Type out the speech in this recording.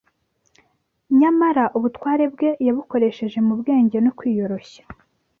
Nyamara ubutware bwe yabukoresheje mu bwenge no kwiyoroshya